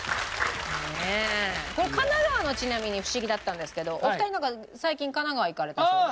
これ神奈川のちなみにフシギだったんですけどお二人なんか最近神奈川行かれたそうで。